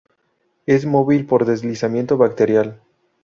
Es móvil por deslizamiento bacterial.